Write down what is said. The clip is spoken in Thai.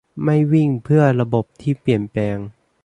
ไม่วิ่งเพื่อระบบที่เปลี่ยนแปลง